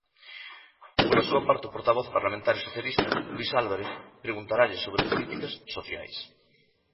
Pola súa parte, o portavoz parlamentario socialista, Luis Álvarez, preguntaralle sobre políticas sociais.